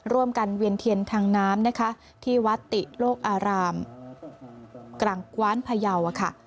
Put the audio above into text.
ร่วมกันเวียนเทียนทางน้ำที่วัตติโลกอารามกลางกว้านพะเยาว์ค่ะ